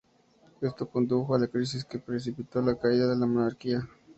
Esto condujo a la crisis que precipitó la caída de la monarquía.